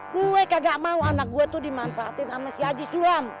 kue kagak mau anak gue tuh dimanfaatin sama si haji sulam